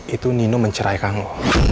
itu nino menceraikan lo